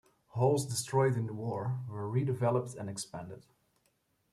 Halls destroyed in the war were redeveloped and expanded.